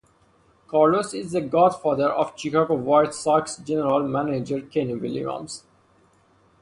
Carlos is the godfather of Chicago White Sox General Manager Kenny Williams.